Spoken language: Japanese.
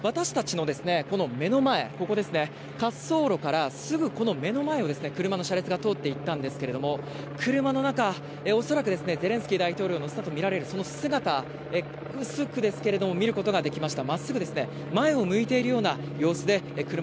私たち目の前、ここですね、滑走路からすぐ目の前で車の車列が通っていったんですけれども車の中、恐らくは大統領を乗せたと見られるその姿、薄くですけれども見ることができました。